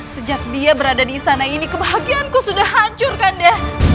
sejak dia berada di istana ini kebahagiaanku sudah hancur kan ya